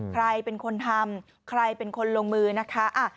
ใครเป็นคนทำใครเป็นคนลงมือนะคะ